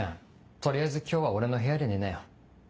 取りあえず今日は俺の部屋で寝なよ。